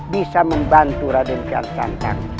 bisa membantu raden kian santang